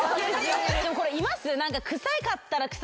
でもこれいます？